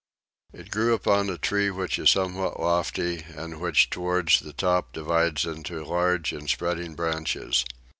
It grew upon a tree which is somewhat lofty, and which towards the top divides into large and spreading branches.